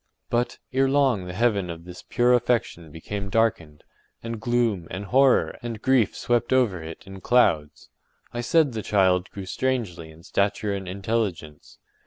But, ere long the heaven of this pure affection became darkened, and gloom, and horror, and grief swept over it in clouds. I said the child grew strangely in stature and intelligence.